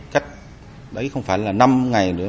cách đấy không phải là năm ngày nữa